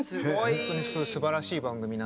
本当にすばらしい番組なんだ。